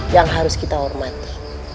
yang harus kita hormati